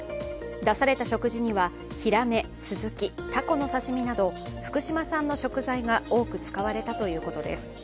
出された食事には、ヒラメ、スズキ、タコの刺身など福島産の食材が多く使われたということです。